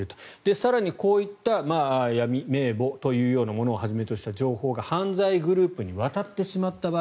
更にこういった闇名簿というものをはじめとした情報が犯罪グループに渡ってしまった場合